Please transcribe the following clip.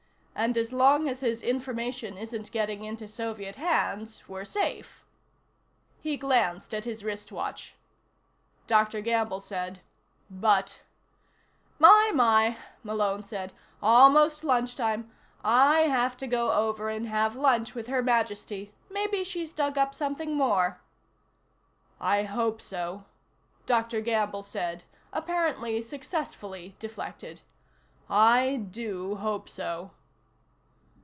"And as long as his information isn't getting into Soviet hands, we're safe." He glanced at his wristwatch. Dr. Gamble said: "But " "My, my," Malone said. "Almost lunchtime. I have to go over and have lunch with Her Majesty. Maybe she's dug up something more." "I hope so," Dr. Gamble said, apparently successfully deflected. "I do hope so."